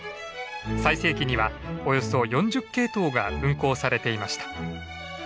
最盛期にはおよそ４０系統が運行されていました。